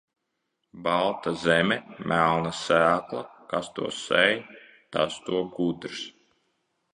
Balta zeme, melna sēkla, kas to sēj, tas top gudrs.